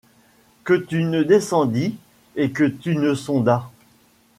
Que tu ne descendis et que tu ne sondas